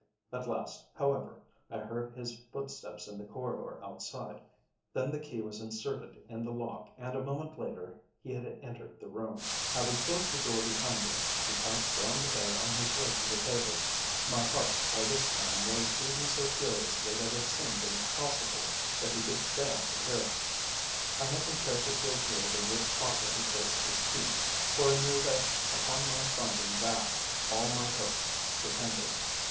At last, however, I heard his footsteps in the corridor outside, then the key was inserted in the lock, and a moment later he had entered the room. Having closed the door behind him, he passed round the bed on his way to the table. My heart by this time was beating so furiously that it seemed impossible that he could fail to hear it. I had been careful to observe in which pocket he placed his key, for I knew that upon my finding that all my hopes depended.